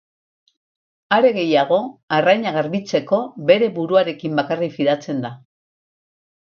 Are gehiago, arraina garbitzeko, bere buruarekin bakarrik fidatzen da.